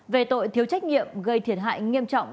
về tội thiếu trách nhiệm gây thiệt hại nghiêm trọng